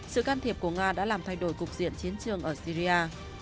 sự can thiệp của nga đã làm thay đổi cục diện chiến trường ở syria